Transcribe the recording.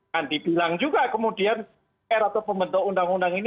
kan dibilang juga kemudian r atau pembentuk undang undang ini